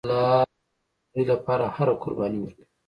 پلار د خپل زوی لپاره هره قرباني ورکوي